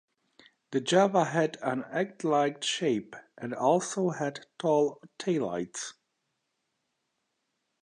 The Java had an egg-like shape, and also had tall taillights.